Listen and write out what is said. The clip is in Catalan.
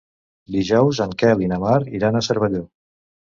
Dijous en Quel i na Mar iran a Cervelló.